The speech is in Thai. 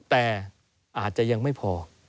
แต่อาจจะยังไม่พอ